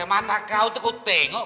mata kau itu ku tengok